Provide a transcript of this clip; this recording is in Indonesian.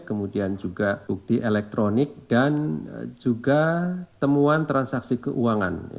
kemudian juga bukti elektronik dan juga temuan transaksi keuangan